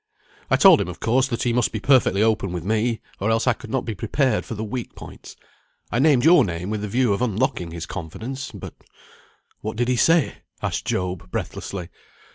I told him, of course, that he must be perfectly open with me, or else I could not be prepared for the weak points. I named your name with the view of unlocking his confidence, but " "What did he say?" asked Job, breathlessly.